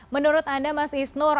menurut anda mas isnur